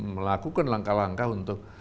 melakukan langkah langkah untuk